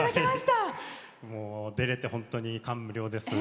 出れて本当に感無量です。